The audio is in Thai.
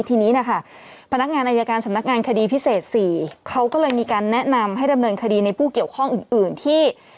ทีนี้นะคะพนักงานอายการสำนักงานคดีพิเศษ๔เขาก็เลยมีการแนะนำให้ดำเนินคดีในผู้เกี่ยวข้องอื่นอื่นที่